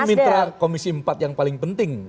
dan mitra komisi empat yang paling penting